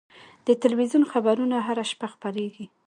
د تلویزیون خبرونه هره شپه خپرېږي.